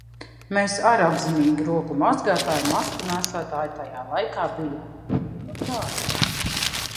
Mēs ar apzinīgi roku mazgātāji, masku nēsātāji tajā laikā bijām. Nu tā!